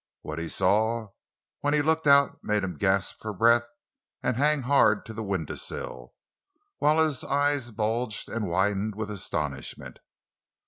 What he saw when he looked out made him gasp for breath and hang hard to the window sill, while his eyes bulged and widened with astonishment.